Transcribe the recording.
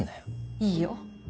いいよ。